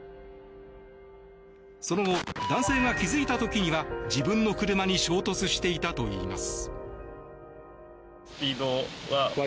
その後、男性が気付いた時には自分の車に衝突していたといいます。